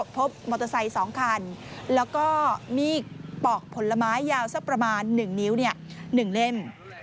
พบมอเตอร์ไซค์๒คันแล้วก็มีดปอกผลไม้ยาวสักประมาณ๑นิ้ว๑เล่ม